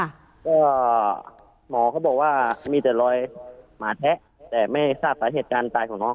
ก็หมอเขาบอกว่ามีแต่รอยหมาแทะแต่ไม่ทราบสาเหตุการณ์ตายของน้อง